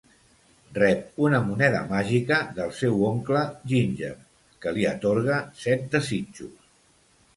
Rep una moneda màgica del seu oncle, Ginger, que li atorga set desitjos.